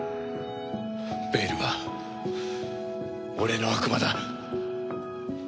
ベイルは俺の悪魔だ。